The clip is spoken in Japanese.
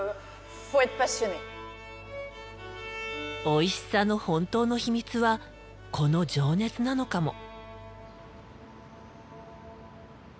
おいしさの本当の秘密はこの情熱なのかも。